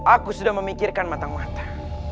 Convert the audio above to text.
aku sudah memikirkan matang mata